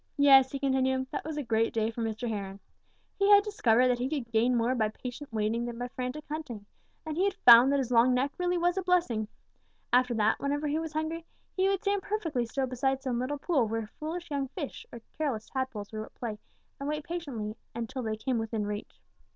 "Yes," he continued, "that was a great day for Mr. Heron. He had discovered that he could gain more by patient waiting than by frantic hunting, and he had found that his long neck really was a blessing. After that, whenever he was hungry, he would stand perfectly still beside some little pool where foolish young fish or careless tadpoles were at play and wait patiently until they came within reach.